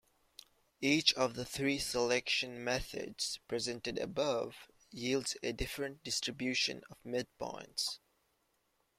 Each of the three selection methods presented above yields a different distribution of midpoints.